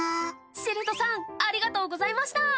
ＳＩＬＴさんありがとうございました。